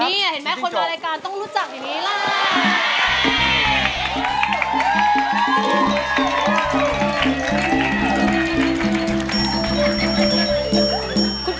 นี่เห็นไหมคนมารายการต้องรู้จักอย่างนี้ล่ะ